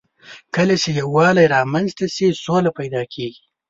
کله چې یووالی رامنځ ته شي، سوله پيدا کېږي.